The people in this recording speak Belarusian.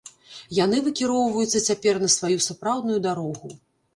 Яны выкіроўваюцца цяпер на сваю сапраўдную дарогу.